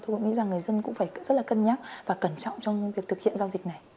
tôi cũng nghĩ rằng người dân cũng phải rất là cân nhắc và cẩn trọng trong việc thực hiện giao dịch này